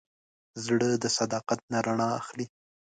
زړه د صداقت نه رڼا اخلي.